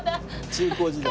中・高時代が？